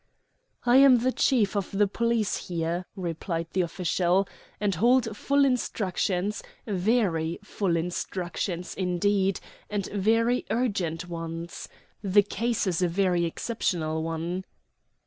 "I am the chief of the police here," replied the official, "and hold full instructions very full instructions indeed, and very urgent ones. The case is a very exceptional one."